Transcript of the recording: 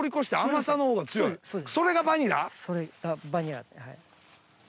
それがバニラ。